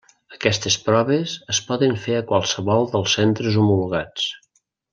Aquestes proves es poden fer a qualsevol dels centres homologats.